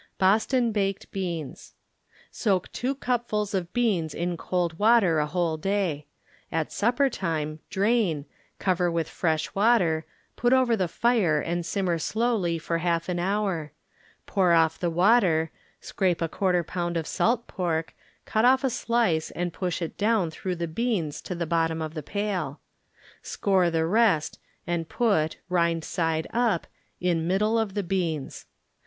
Boston Baked Beans Soak 2 cupfuls of beans in cold water a whole day. At supper time drain, cover with fresh water, put over the fire and simmer slowly for half an hour; pour off the water, scrape a ^ pound of salt pork, cut of^ a slice and push it down through the beans to the bottom of the pail; score the rest and put, rind side up, in middle of the beans.